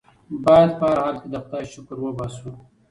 بايد په هر حال کې د خدای شکر وباسو.